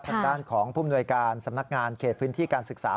ทางด้านของผู้มนวยการสำนักงานเขตพื้นที่การศึกษา